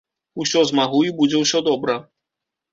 Усё змагу і будзе ўсё добра.